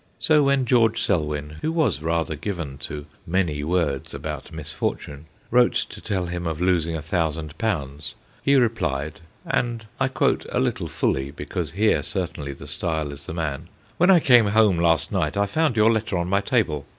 So when George Selwyn, who was rather given to many words about misfortune, wrote to tell him of losing a thousand pounds, he re plied and I quote a little fully, because here certainly the style is the man ' When I came home last night I found your letter on my table.